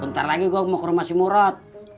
untar lagi gua mau ke rumah si murad